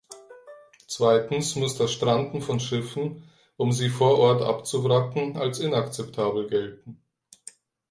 Zweitens muss das Stranden von Schiffen, um sie vor Ort abzuwracken, als inakzeptabel gelten.